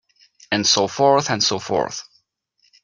And so forth and so forth.